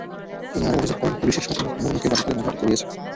তিনি আরও অভিযোগ করেন, পুলিশই স্বপন মুরমুকে বাদী করে মামলাটি করিয়েছে।